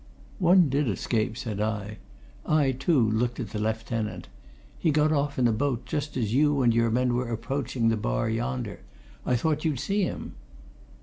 "One did escape," said I. I, too, looked at the lieutenant. "He got off in a boat just as you and your men were approaching the bar yonder I thought you'd see him."